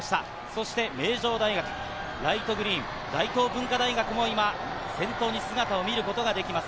そして名城大学、ライトグリーン、大東文化大学も今、先頭に姿を見ることができます。